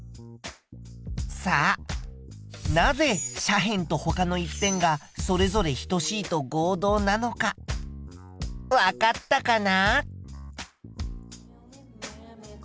さあなぜ斜辺とほかの１辺がそれぞれ等しいと合同なのかわかったかな？